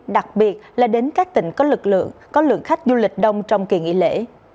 đặc biệt là đến các tỉnh có lực lượng có lượng khách du lịch đông trong kỳ nghỉ lễ